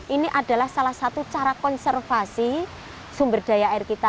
ini adalah salah satu cara konservasi sumber daya air kita